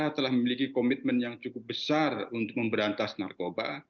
telah memiliki komitmen yang cukup besar untuk memberantas narkoba